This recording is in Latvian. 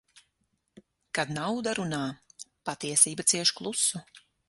Kad nauda runā, patiesība cieš klusu.